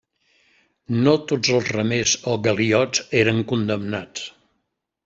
No tots els remers o galiots eren condemnats.